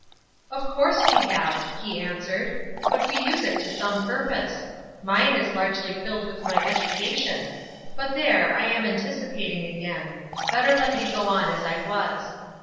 "Of course we have," he answered, "but we use it to some purpose. Mine is largely filled with my education—but there! I am anticipating again. Better let me go on as I was.